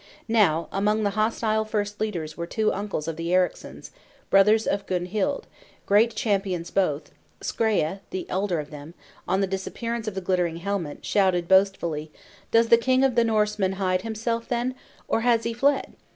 Now, among the hostile first leaders were two uncles of the Ericsons, brothers of Gunhild, great champions both; Skreya, the elder of them, on the disappearance of the glittering helmet, shouted boastfully, 'Does the king of the Norsemen hide himself, then, or has he fled?